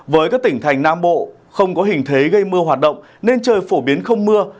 với các tỉnh thành nam bộ không có hình thế gây mưa hoạt động nên trời phổ biến không mưa